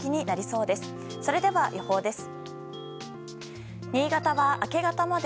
それでは、予報です。